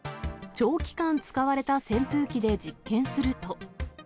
長期間使われた扇風機で実験すると。